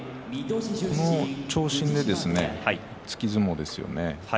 この長身で突き相撲ですよね。